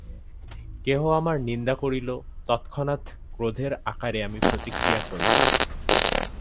কেহ আমার নিন্দা করিল, তৎক্ষণাৎ ক্রোধের আকারে আমি প্রতিক্রিয়া করিলাম।